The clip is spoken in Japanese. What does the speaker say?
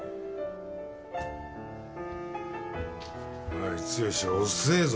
おい剛遅えぞ。